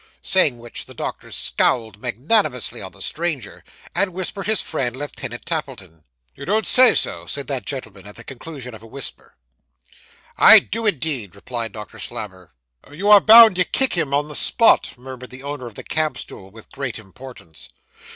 Saying which the doctor scowled magnanimously on the stranger, and whispered his friend Lieutenant Tappleton. 'You don't say so,' said that gentleman, at the conclusion of the whisper. 'I do, indeed,' replied Doctor Slammer. 'You are bound to kick him on the spot,' murmured the owner of the camp stool, with great importance.